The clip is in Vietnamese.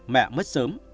mẹ mất sớm